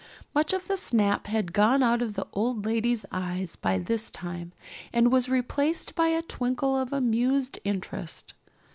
Much of the snap had gone out of the old lady's eyes by this time and was replaced by a twinkle of amused interest.